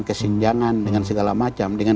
kesenjangan dengan segala macam dengan